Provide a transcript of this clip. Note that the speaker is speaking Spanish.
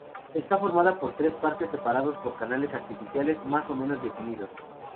Está formada por tres partes separadas por canales artificiales más o menos definidos.